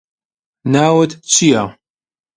ناوت چییە؟